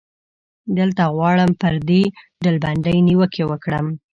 دلته غواړم پر دې ډلبندۍ نیوکې وکړم.